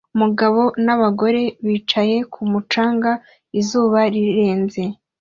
Umugabo n'abagore bicaye ku mucanga izuba rirenze